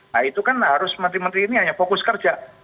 nah itu kan harus menteri menteri ini hanya fokus kerja